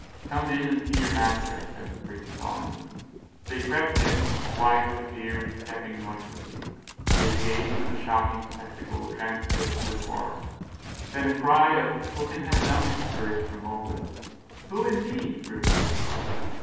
"Come in and see your master," said the priest solemnly. They crept in, white with fear and stepping noiselessly. They gazed on the shocking spectacle transfixed with horror. Then a cry of "Who can have done it?" burst from all lips. "Who, indeed?" repeated the cook.